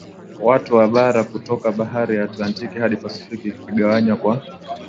wote wa bara kutoka Bahari ya Atlantiki hadi Pasifiki ikigawanywa kwa